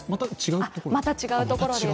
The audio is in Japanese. また違うところです。